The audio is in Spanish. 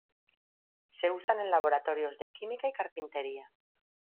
Se usan en laboratorios de química y carpintería.